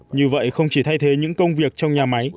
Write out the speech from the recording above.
như vậy không chỉ thay thế những công việc trong nhà máy